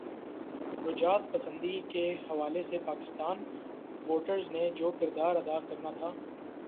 رجعت پسندی کے حوالے سے پاکستانی ووٹرز نے جو کردار ادا کرنا تھا۔